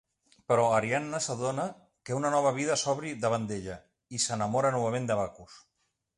Però Ariadna s'adona que una nova vida s'obri davant d'ella, i s'enamora novament de Bacus.